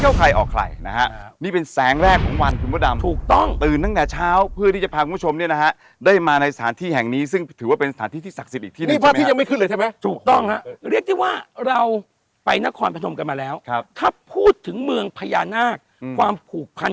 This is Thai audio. อันที่นี้นะครับจะเป็น๑ชั่วโมงความอัศจรรย์นะครับ๑ชั่วโมงความเชื่อแบบในรายการ